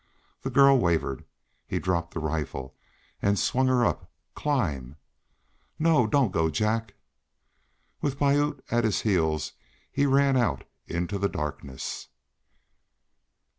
The girl wavered. He dropped the rifle, and swung her up. "Climb!" "No don't go Jack!" With Piute at his heels he ran out into the darkness.